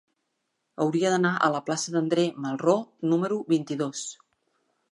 Hauria d'anar a la plaça d'André Malraux número vint-i-dos.